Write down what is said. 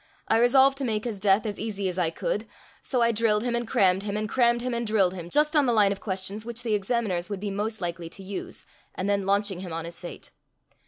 I resolved to make his death as easy as I could; so I drilled him and crammed him, and crammed him and drilled him, just on the line of questions which the examiners would be most likely to use, and then launching him on his fate.